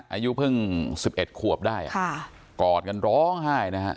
อายุเพิ่ง๑๑ขวบได้กอดกันร้องไห้นะฮะ